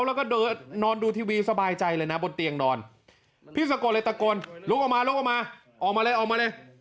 แล้วก็เดินนอนดูทีวีสบายใจเลยนะบนเตียงนอนพี่สะโกนเลยตะโกนลุกออกมาออกมาเลย